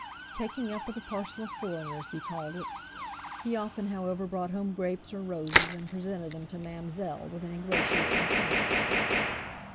"Taking up with a parcel of foreigners," he called it. He often, however, brought home grapes or roses, and presented them to "Mam'zelle" with an ingratiating twinkle.